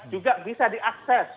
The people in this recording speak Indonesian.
juga bisa diakses